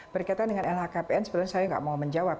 berkaitan dengan lhkpn sebenarnya saya nggak mau menjawab